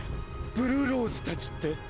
ブルーローズたちって？